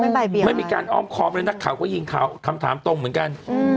ไม่ใบเบียงอะไรไม่มีการอ้อมคอมเลยนักข่าวก็ยิงเขาคำถามตรงเหมือนกันอืม